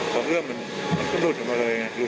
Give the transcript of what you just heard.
พอเอื้อมมันก็หลุดออกมาเลยไง